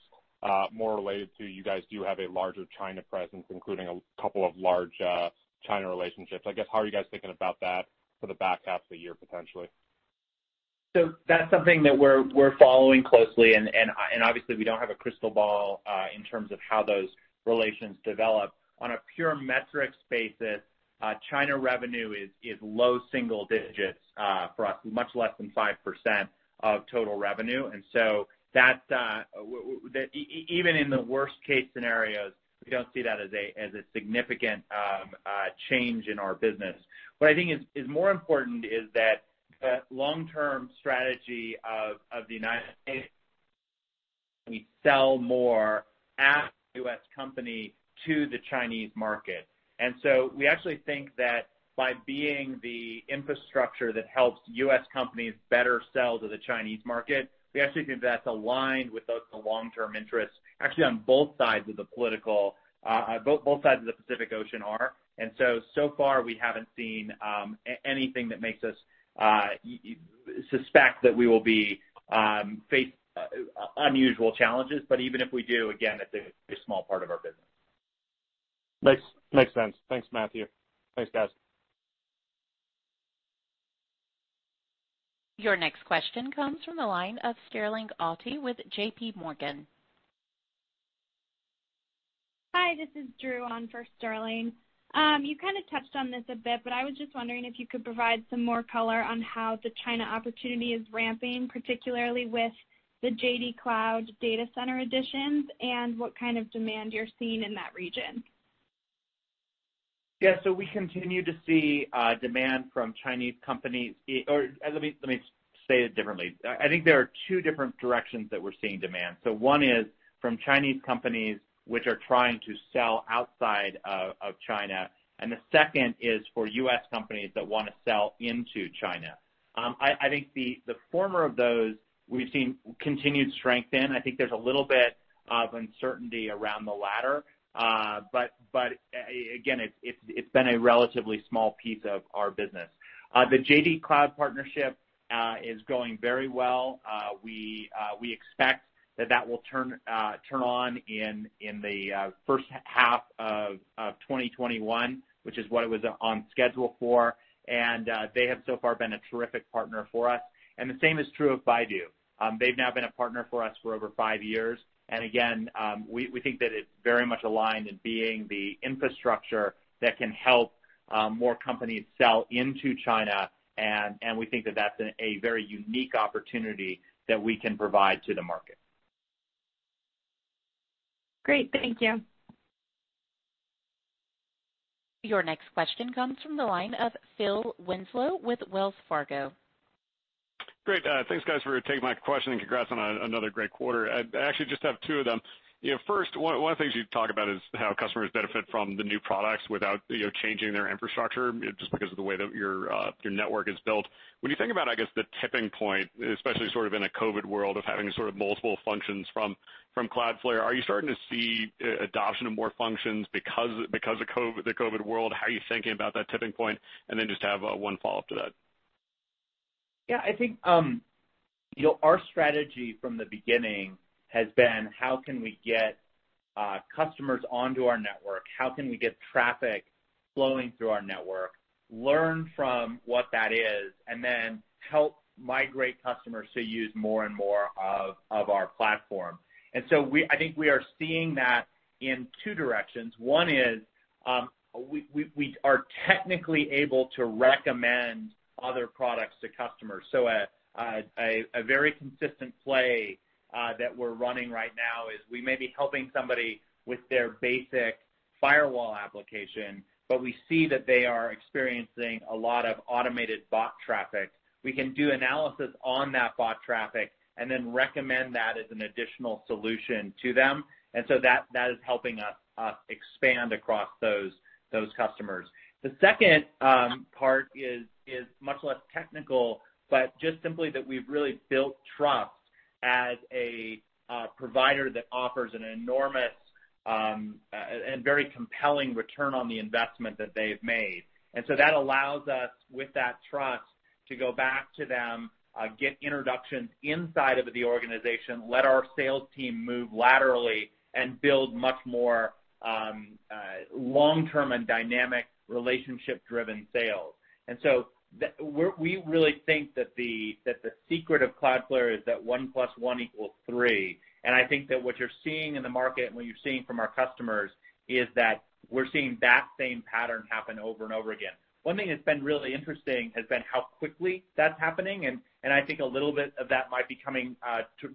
S6: More related to you guys do have a larger China presence, including a couple of large China relationships, I guess, how are you guys thinking about that for the back half of the year, potentially?
S3: That's something that we're following closely and obviously we don't have a crystal ball in terms of how those relations develop. On a pure metrics basis, China revenue is low single digits for us, much less than 5% of total revenue. That, even in the worst case scenarios, we don't see that as a significant change in our business. What I think is more important is that the long-term strategy of the United States we sell more as a U.S. company to the Chinese market. We actually think that by being the infrastructure that helps U.S. companies better sell to the Chinese market, we actually think that's aligned with those long-term interests, actually on both sides of the political, both sides of the Pacific Ocean are. So far we haven't seen anything that makes us suspect that we will be face unusual challenges. Even if we do, again, it's a small part of our business.
S6: Makes sense. Thanks, Matthew. Thanks, guys.
S1: Your next question comes from the line of Sterling Auty with J.P. Morgan.
S7: Hi, this is Drew on for Sterling. You kinda touched on this a bit, but I was just wondering if you could provide some more color on how the China opportunity is ramping, particularly with the JD Cloud data center additions and what kind of demand you're seeing in that region.
S3: Yeah. We continue to see demand from Chinese companies. Let me say it differently. I think there are two different directions that we're seeing demand. One is from Chinese companies which are trying to sell outside of China, and the second is for U.S. companies that wanna sell into China. I think the former of those we've seen continued strength in. I think there's a little bit of uncertainty around the latter. Again, it's been a relatively small piece of our business. The JD Cloud partnership is going very well. We expect that that will turn on in the first half of 2021, which is what it was on schedule for. They have so far been a terrific partner for us, and the same is true of Baidu. They've now been a partner for us for over five years, and again, we think that it's very much aligned in being the infrastructure that can help more companies sell into China and we think that that's a very unique opportunity that we can provide to the market.
S7: Great. Thank you.
S1: Your next question comes from the line of Phil Winslow with Wells Fargo.
S8: Great. Thanks guys for taking my question, and congrats on another great quarter. I actually just have two of them. You know, first, one of the things you talk about is how customers benefit from the new products without, you know, changing their infrastructure just because of the way that your network is built. When you think about, I guess, the tipping point, especially sort of in a COVID world of having sort of multiple functions from Cloudflare, are you starting to see adoption of more functions because of COVID, the COVID world? How are you thinking about that tipping point? Then just have one follow-up to that.
S3: Yeah, I think, you know, our strategy from the beginning has been how can we get customers onto our network? How can we get traffic flowing through our network, learn from what that is, and then help migrate customers to use more and more of our platform? I think we are seeing that in two directions. One is, we are technically able to recommend other products to customers. A very consistent play that we're running right now is we may be helping somebody with their basic firewall application, but we see that they are experiencing a lot of automated bot traffic. We can do analysis on that bot traffic and then recommend that as an additional solution to them. That is helping us expand across those customers. The second part is much less technical, but just simply that we've really built trust as a provider that offers an enormous and very compelling return on the investment that they've made. That allows us, with that trust, to go back to them, get introductions inside of the organization, let our sales team move laterally and build much more long-term and dynamic relationship-driven sales. We really think that the secret of Cloudflare is that one plus one equals three. I think that what you're seeing in the market and what you're seeing from our customers is that we're seeing that same pattern happen over and over again. One thing that's been really interesting has been how quickly that's happening, and I think a little bit of that might be coming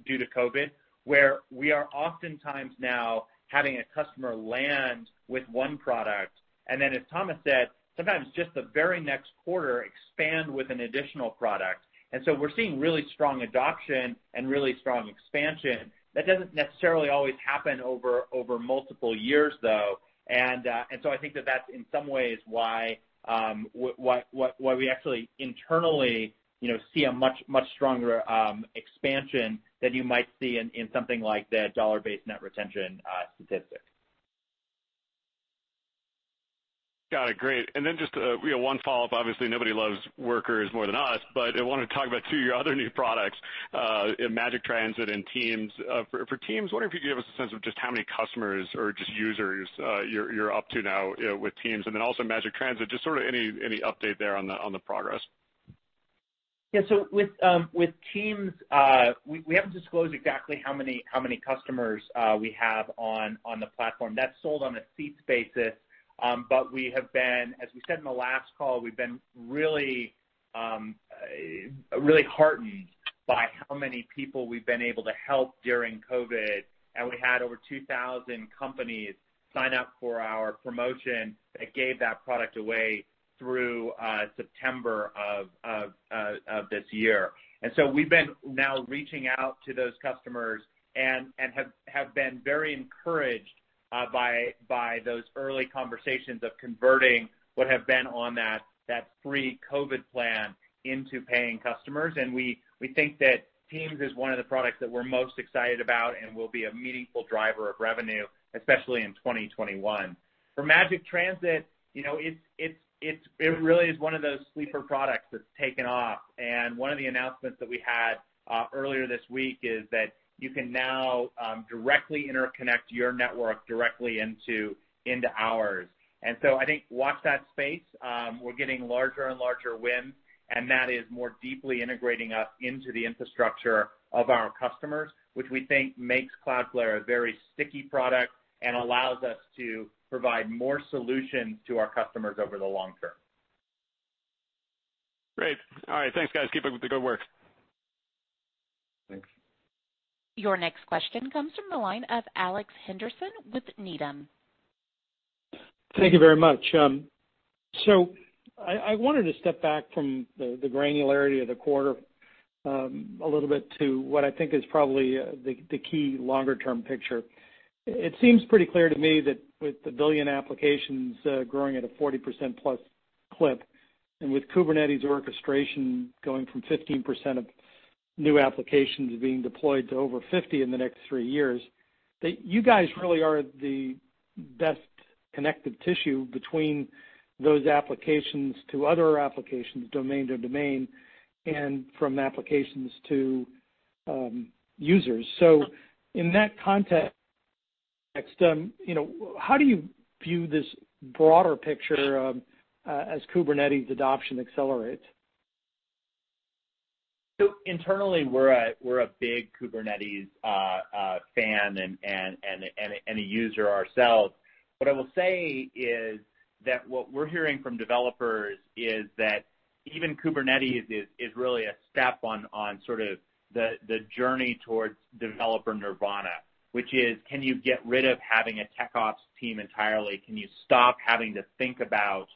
S3: due to COVID, where we are oftentimes now having a customer land with one product, and then as Thomas said, sometimes just the very next quarter expand with an additional product. We're seeing really strong adoption and really strong expansion. That doesn't necessarily always happen over multiple years, though. I think that that's in some ways why why we actually internally, you know, see a much stronger expansion than you might see in something like the dollar-based net retention statistic.
S8: Got it. Great. Then just, you know, one follow-up. Obviously, nobody loves Workers more than us, but I wanna talk about two of your other new products, Magic Transit and Teams. For Teams, wondering if you could give us a sense of just how many customers or just users you're up to now with Teams, and then also Magic Transit, just sort of any update there on the progress?
S3: Yeah. With Teams, we haven't disclosed exactly how many customers we have on the platform. That's sold on a seats basis. We have been, as we said in the last call, we've been really heartened by how many people we've been able to help during COVID, and we had over 2,000 companies sign up for our promotion that gave that product away through September of this year. We've been now reaching out to those customers and have been very encouraged by those early conversations of converting what have been on that free COVID plan into paying customers. We think that Teams is one of the products that we're most excited about and will be a meaningful driver of revenue, especially in 2021. For Magic Transit, you know, it really is one of those sleeper products that's taken off. One of the announcements that we had earlier this week is that you can now directly interconnect your network directly into ours. I think watch that space. We're getting larger and larger wins, and that is more deeply integrating us into the infrastructure of our customers, which we think makes Cloudflare a very sticky product and allows us to provide more solutions to our customers over the long term.
S8: Great. All right. Thanks, guys. Keep up with the good work.
S3: Thanks.
S1: Your next question comes from the line of Alex Henderson with Needham.
S9: Thank you very much. I wanted to step back from the granularity of the quarter a little bit to what I think is probably the key longer term picture. It seems pretty clear to me that with the billion applications growing at a 40%+. With Kubernetes orchestration going from 15% of new applications being deployed to over 50 in the next three years, that you guys really are the best connective tissue between those applications to other applications, domain to domain, and from applications to users. In that context, you know, how do you view this broader picture as Kubernetes adoption accelerates?
S3: Internally, we're a big Kubernetes fan and a user ourselves. What I will say is that what we're hearing from developers is that even Kubernetes is really a step on the journey towards developer nirvana, which is can you get rid of having a TechOps team entirely? Can you stop having to think about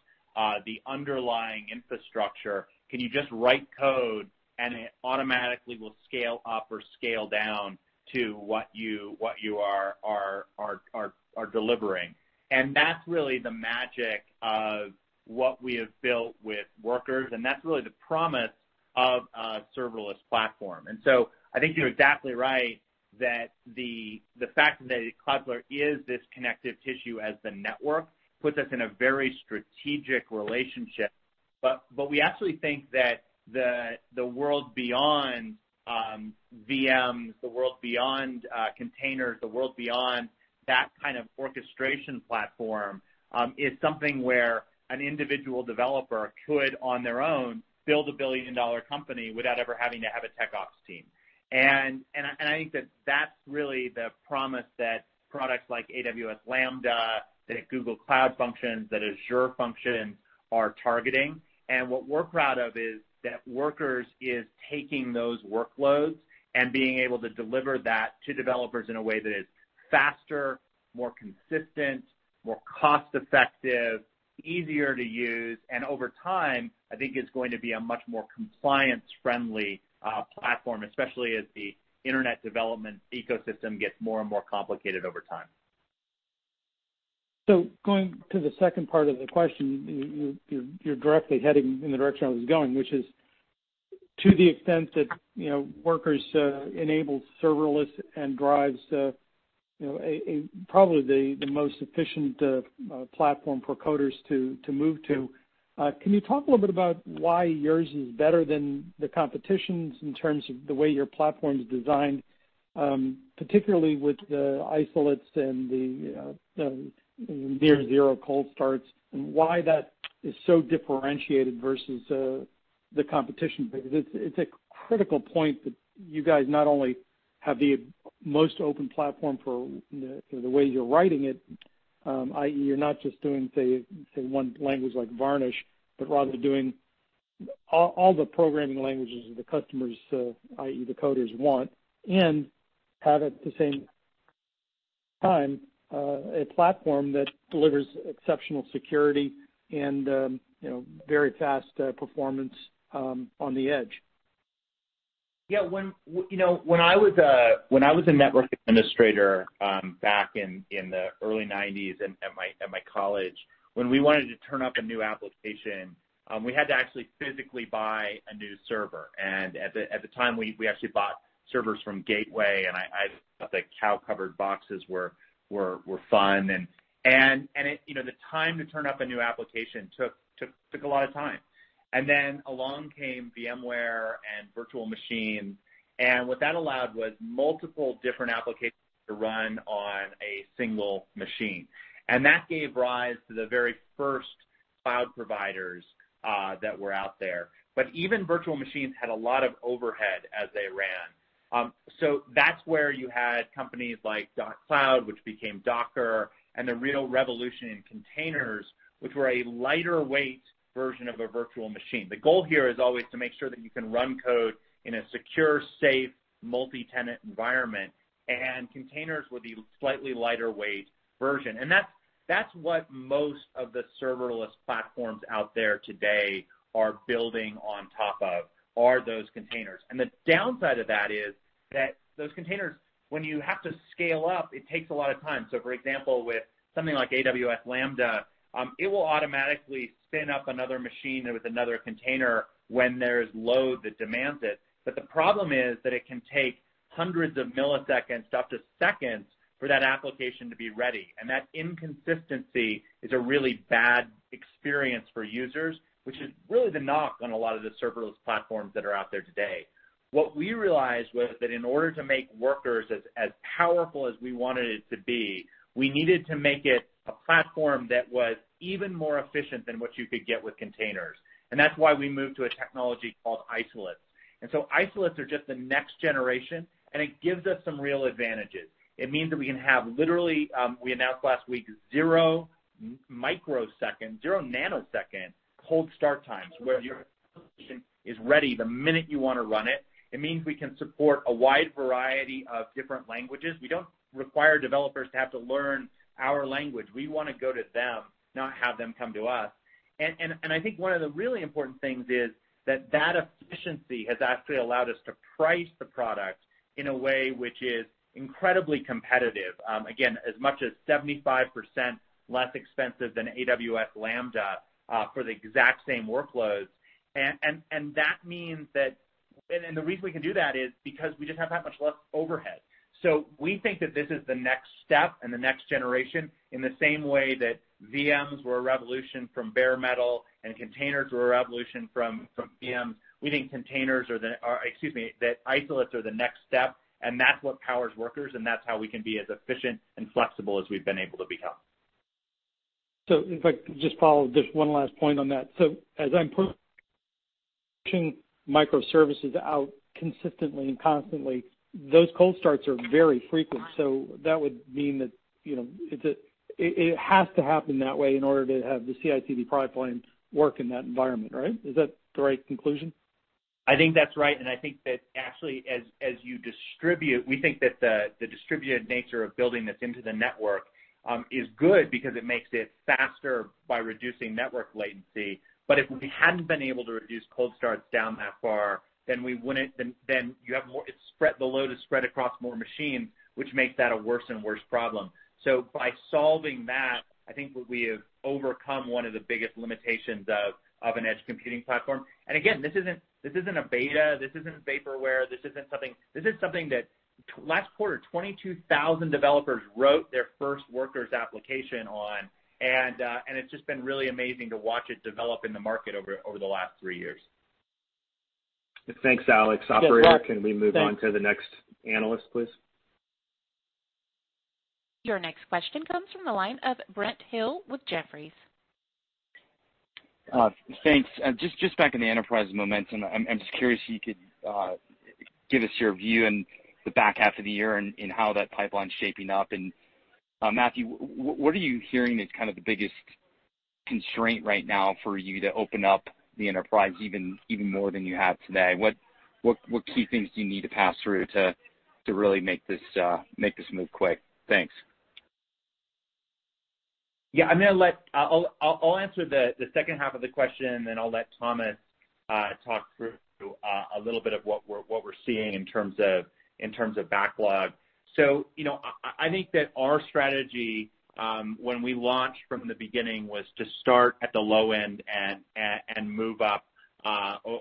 S3: the underlying infrastructure? Can you just write code and it automatically will scale up or scale down to what you are delivering? That's really the magic of what we have built with Workers, and that's really the promise of a serverless platform. I think you're exactly right that the fact that Cloudflare is this connective tissue as the network puts us in a very strategic relationship. We actually think that the world beyond VMs, the world beyond containers, the world beyond that kind of orchestration platform, is something where an individual developer could, on their own, build a billion-dollar company without ever having to have a TechOps team. I think that that's really the promise that products like AWS Lambda, that Google Cloud Functions, that Azure Functions are targeting. What we're proud of is that Workers is taking those workloads and being able to deliver that to developers in a way that is faster, more consistent, more cost-effective, easier to use, and over time, I think it's going to be a much more compliance-friendly platform, especially as the internet development ecosystem gets more and more complicated over time.
S9: Going to the second part of the question, you're directly heading in the direction I was going, which is to the extent that, you know, Cloudflare Workers enables serverless and drives, you know, probably the most efficient platform for coders to move to. Can you talk a little bit about why yours is better than the competition's in terms of the way your platform's designed, particularly with the isolates and the near zero cold starts, and why that is so differentiated versus the competition? It's a critical point that you guys not only have the most open platform for the, you know, the way you're writing it, i.e. you're not just doing, say one language like Varnish, but rather doing all the programming languages that the customers, i.e. the coders want, and have at the same time, a platform that delivers exceptional security and, you know, very fast, performance, on the edge.
S3: Yeah. You know, when I was a network administrator, back in the early nineties at my college, when we wanted to turn up a new application, we had to actually physically buy a new server. At the time, we actually bought servers from Gateway, and I thought the cow-covered boxes were fun. You know, the time to turn up a new application took a lot of time. Along came VMware and virtual machines, and what that allowed was multiple different applications to run on a single machine. That gave rise to the very first cloud providers that were out there. Even virtual machines had a lot of overhead as they ran. That's where you had companies like dotCloud, which became Docker, and the real revolution in containers, which were a lighter-weight version of a virtual machine. The goal here is always to make sure that you can run code in a secure, safe, multi-tenant environment, containers were the slightly lighter-weight version. That's what most of the serverless platforms out there today are building on top of, are those containers. The downside of that is that those containers, when you have to scale up, it takes a lot of time. For example, with something like AWS Lambda, it will automatically spin up another machine with another container when there's load that demands it. The problem is that it can take hundreds of milliseconds, up to seconds, for that application to be ready. That inconsistency is a really bad experience for users, which is really the knock on a lot of the serverless platforms that are out there today. What we realized was that in order to make Workers as powerful as we wanted it to be, we needed to make it a platform that was even more efficient than what you could get with containers. That's why we moved to a technology called isolates. Isolates are just the next generation, and it gives us some real advantages. It means that we can have literally, we announced last week, zero microsecond, zero nanosecond cold start times where your application is ready the minute you wanna run it. It means we can support a wide variety of different languages. We don't require developers to have to learn our language. We wanna go to them, not have them come to us. I think one of the really important things is that that efficiency has actually allowed us to price the product in a way which is incredibly competitive, again, as much as 75% less expensive than AWS Lambda for the exact same workloads. That means the reason we can do that is because we just have that much less overhead. We think that this is the next step and the next generation in the same way that VMs were a revolution from bare metal and containers were a revolution from VMs. We think isolates are the next step, and that's what powers Workers, and that's how we can be as efficient and flexible as we've been able to become.
S9: If I could just follow just one last point on that. As I'm pushing microservices out consistently and constantly, those cold starts are very frequent. That would mean that, you know, it has to happen that way in order to have the CI/CD pipelines work in that environment, right? Is that the right conclusion?
S3: I think that's right, I think that actually as you distribute, we think that the distributed nature of building this into the network is good because it makes it faster by reducing network latency. If we hadn't been able to reduce cold starts down that far, then we wouldn't. The load is spread across more machines, which makes that a worse and worse problem. By solving that, I think we have overcome one of the biggest limitations of an edge computing platform. Again, this isn't a beta, this isn't vaporware. This is something that last quarter, 22,000 developers wrote their first Workers application on. It's just been really amazing to watch it develop in the market over the last three years.
S2: Thanks, Alex.
S9: Yes.
S2: Operator, can we move on to the next analyst, please?
S1: Your next question comes from the line of Brent Thill with Jefferies.
S10: Thanks. Just back in the enterprise momentum. I'm just curious if you could give us your view in the back half of the year and how that pipeline's shaping up. Matthew, what are you hearing is kind of the biggest constraint right now for you to open up the enterprise even more than you have today? What key things do you need to pass through to really make this move quick? Thanks.
S3: I'll answer the second half of the question, and then I'll let Thomas talk through a little bit of what we're seeing in terms of backlog. You know, I think that our strategy when we launched from the beginning was to start at the low end and move up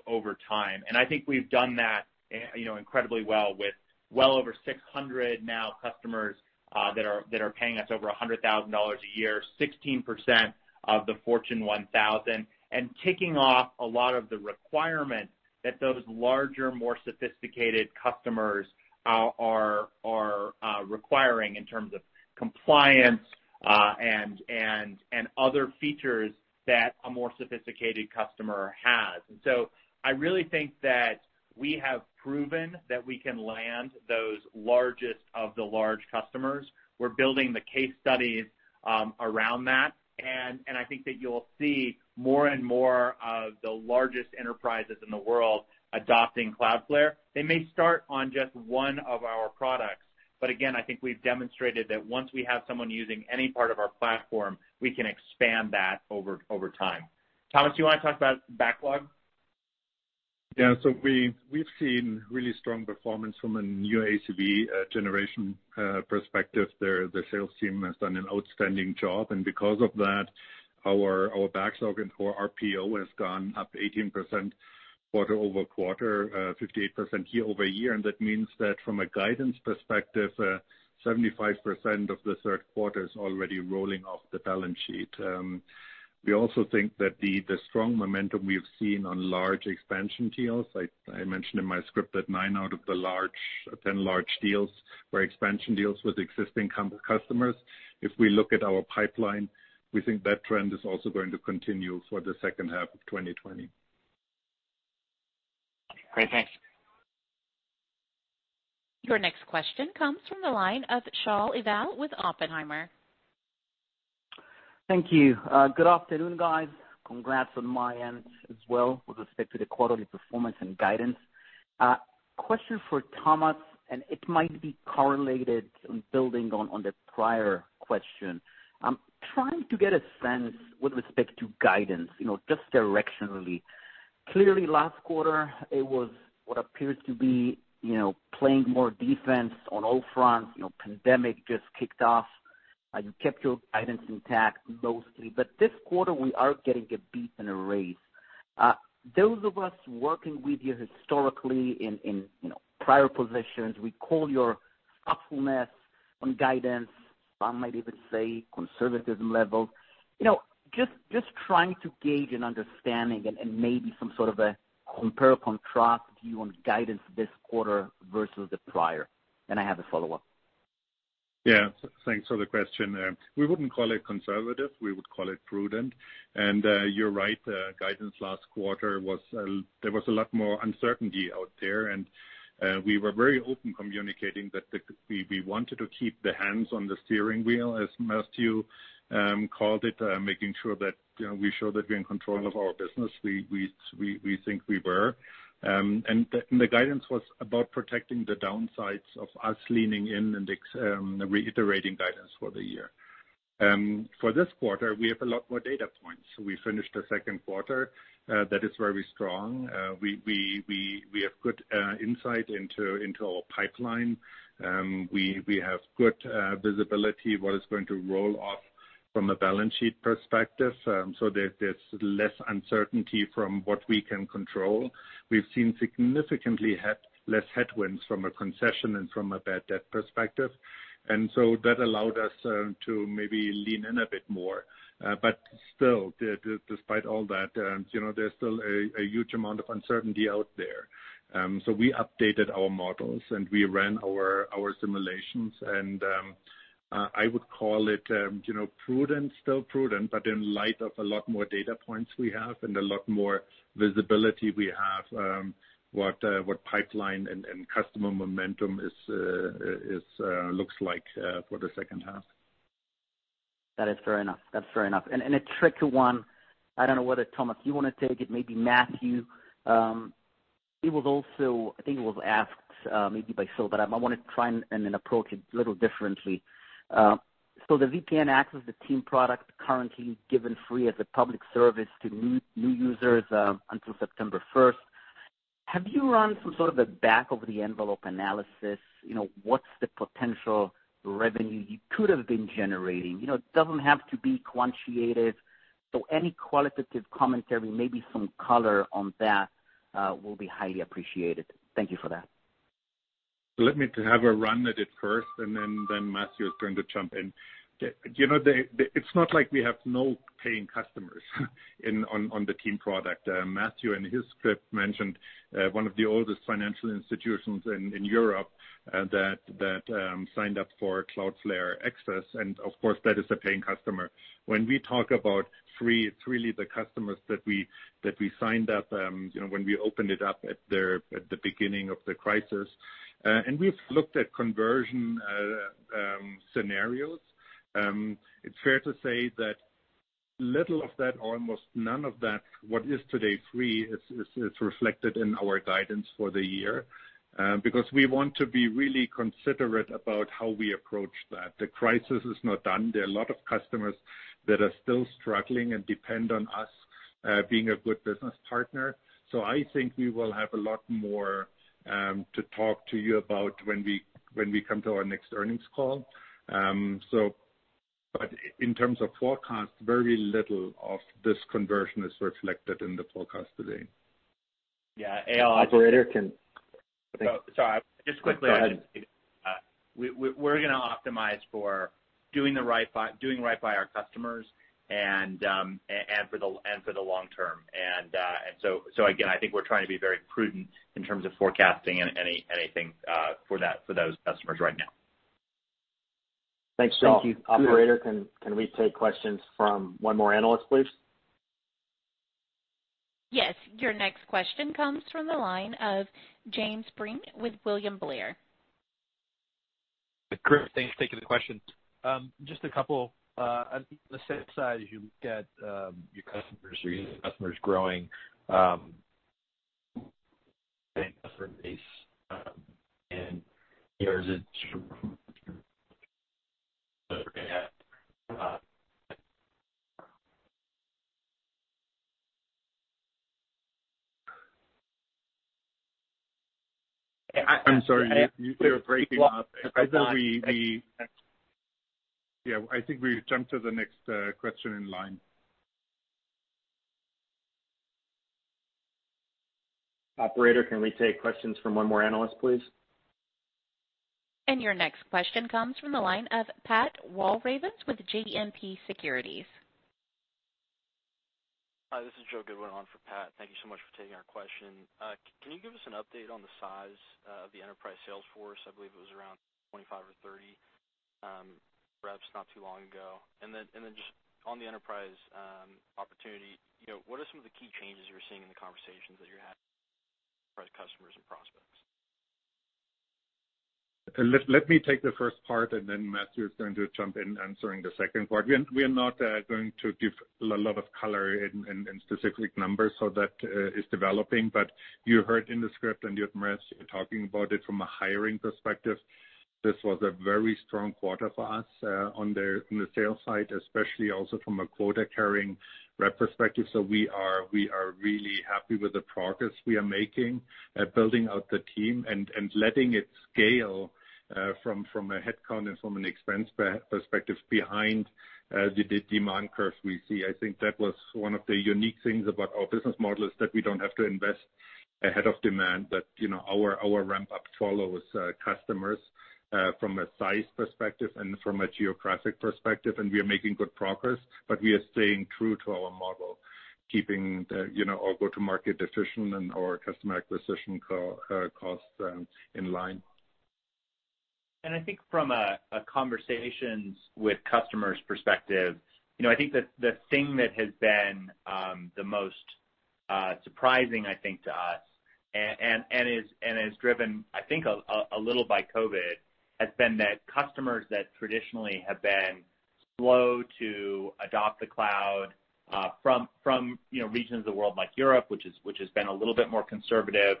S3: over time. I think we've done that, you know, incredibly well with well over 600 now customers that are paying us over $100,000 a year, 16% of the Fortune 1000. Ticking off a lot of the requirements that those larger, more sophisticated customers are requiring in terms of compliance and other features that a more sophisticated customer has. I really think that we have proven that we can land those largest of the large customers. We're building the case studies around that. I think that you'll see more and more of the largest enterprises in the world adopting Cloudflare. They may start on just one of our products, but again, I think we've demonstrated that once we have someone using any part of our platform, we can expand that over time. Thomas, you wanna talk about backlog?
S4: We've seen really strong performance from a new ACV generation perspective. The sales team has done an outstanding job, because of that, our backlog and our RPO has gone up 18% quarter-over-quarter, 58% year-over-year. That means that from a guidance perspective, 75% of the third quarter is already rolling off the balance sheet. We also think that the strong momentum we have seen on large expansion deals, I mentioned in my script that nine out of the 10 large deals were expansion deals with existing customers. If we look at our pipeline, we think that trend is also going to continue for the second half of 2020.
S10: Great. Thanks.
S1: Your next question comes from the line of Shaul Eyal with Oppenheimer.
S11: Thank you. Good afternoon, guys. Congrats on my end as well with respect to the quarterly performance and guidance. Question for Thomas, and it might be correlated on building on the prior question. I'm trying to get a sense with respect to guidance, you know, just directionally. Clearly, last quarter it was what appears to be, you know, playing more defense on all fronts. You know, pandemic just kicked off. You kept your guidance intact mostly. This quarter, we are getting a beat and a raise. Those of us working with you historically in, you know, prior positions, we call your thoughtfulness on guidance, some might even say conservatism level. You know, just trying to gauge and understanding and maybe some sort of a compare or contrast view on guidance this quarter versus the prior. I have a follow-up.
S4: Yeah. Thanks for the question. We wouldn't call it conservative. We would call it prudent. You're right, guidance last quarter was, there was a lot more uncertainty out there. We were very open communicating that we wanted to keep the hands on the steering wheel, as Matthew called it, making sure that, you know, we show that we're in control of our business. We think we were. The guidance was about protecting the downsides of us leaning in and reiterating guidance for the year. For this quarter, we have a lot more data points. We finished the second quarter that is very strong. We have good insight into our pipeline. We, we have good visibility what is going to roll off from a balance sheet perspective, so there's less uncertainty from what we can control. We've seen significantly less headwinds from a concession and from a bad debt perspective. That allowed us to maybe lean in a bit more. But still despite all that, you know, there's still a huge amount of uncertainty out there. We updated our models, and we ran our simulations and I would call it, you know, prudent, still prudent, but in light of a lot more data points we have and a lot more visibility we have, what pipeline and customer momentum is, looks like for the second half.
S11: That is fair enough. That's fair enough. A trickier one, I don't know whether, Thomas, you want to take it, maybe Matthew. It was also I think it was asked, maybe by Phil, I wanna try and approach it a little differently. The VPN access as the team product currently given free as a public service to new users until September 1st. Have you run some sort of a back of the envelope analysis? You know, what's the potential revenue you could have been generating? You know, it doesn't have to be quantitated, any qualitative commentary, maybe some color on that, will be highly appreciated. Thank you for that.
S4: Let me have a run at it first, then Matthew is going to jump in. You know, it's not like we have no paying customers in on the team product. Matthew, in his script, mentioned one of the oldest financial institutions in Europe that signed up for Cloudflare Access, and of course, that is a paying customer. When we talk about free, it's really the customers that we signed up, you know, when we opened it up at the beginning of the crisis. We've looked at conversion scenarios. It's fair to say that little of that, almost none of that, what is today free is reflected in our guidance for the year. Because we want to be really considerate about how we approach that. The crisis is not done. There are a lot of customers that are still struggling and depend on us, being a good business partner. I think we will have a lot more to talk to you about when we come to our next earnings call. In terms of forecast, very little of this conversion is reflected in the forecast today.
S3: Yeah.
S2: Operator.
S3: Sorry.
S2: Go ahead.
S3: We're gonna optimize for doing right by our customers and for the long term. So again, I think we're trying to be very prudent in terms of forecasting anything for that, for those customers right now.
S11: Thank you.
S2: Thanks Shaul, operator, can we take questions from one more analyst, please?
S1: Yes. Your next question comes from the line of James Breen with William Blair.
S12: Chris, thanks. Taking the question. Just a couple. On the sales side, as you look at your customers or your customers growing, getting customer base, you know, is it
S4: I'm sorry. You're breaking up. Maybe we—yeah, I think we jump to the next question in line.
S2: Operator, can we take questions from one more analyst, please?
S1: Your next question comes from the line of Patrick Walravens with JMP Securities.
S13: Hi, this is Joe Goodwin on for Pat. Thank you so much for taking our question. Can you give us an update on the size of the enterprise sales force? I believe it was around 25 or 30 reps not too long ago. Then just on the enterprise opportunity, you know, what are some of the key changes you're seeing in the conversations that you're having for customers and prospects?
S4: Let me take the first part. Matt hew is going to jump in answering the second part. We are not going to give a lot of color in specific numbers that is developing. You heard in the script. You have Mich talking about it from a hiring perspective. This was a very strong quarter for us on the sales side, especially also from a quota-carrying rep perspective. We are really happy with the progress we are making at building out the team and letting it scale from a headcount and from an expense perspective behind the demand curve we see. I think that was one of the unique things about our business model is that we don't have to invest ahead of demand. You know, our ramp-up follows customers from a size perspective and from a geographic perspective, and we are making good progress. We are staying true to our model, keeping the, you know, our go-to-market efficient and our customer acquisition costs in line.
S3: I think from a conversations with customers perspective, you know, I think the thing that has been the most surprising, I think, to us, and is driven, I think, a little by COVID, has been that customers that traditionally have been slow to adopt the cloud, from, you know, regions of the world like Europe, which has been a little bit more conservative,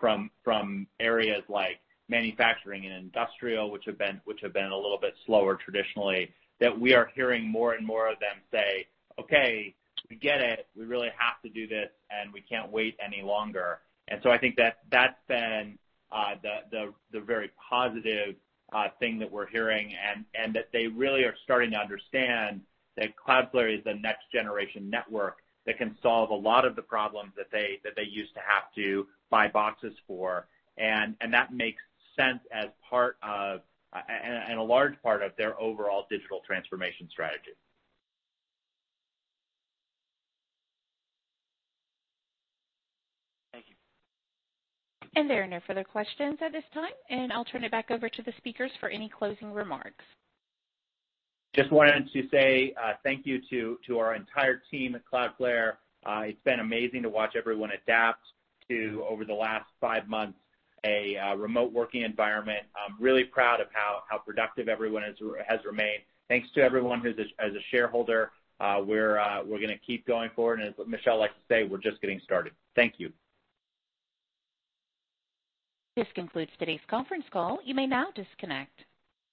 S3: from areas like manufacturing and industrial, which have been a little bit slower traditionally, that we are hearing more and more of them say, "Okay, we get it. We really have to do this, and we can't wait any longer. I think that's been the very positive thing that we're hearing and that they really are starting to understand that Cloudflare is the next generation network that can solve a lot of the problems that they used to have to buy boxes for. That makes sense as part of and a large part of their overall digital transformation strategy.
S13: Thank you.
S1: There are no further questions at this time, and I'll turn it back over to the speakers for any closing remarks.
S3: Just wanted to say thank you to our entire team at Cloudflare. It's been amazing to watch everyone adapt to over the last five months, a remote working environment. I'm really proud of how productive everyone has remained. Thanks to everyone who's a shareholder, we're gonna keep going forward. As Michelle likes to say, we're just getting started. Thank you.
S1: This concludes today's conference call. You may now disconnect.